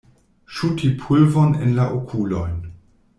Ŝuti polvon en la okulojn.